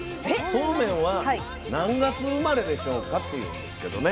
そうめんは何月生まれでしょうかっていうんですけどね。